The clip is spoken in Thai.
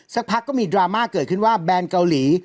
สักพักก็มีดราม่าเกิดขึ้นว่าแบรนด์เกาหลี